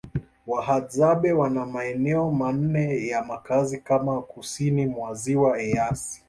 Wahadzabe wana maeneo manne ya makazi kame kusini mwa Ziwa Eyasi